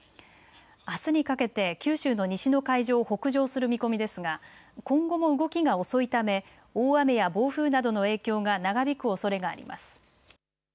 あすにかけて九州の西の海上を北上する見込みですが今後も動きが遅いため大雨や暴風などの影響が長引くおそれがあります。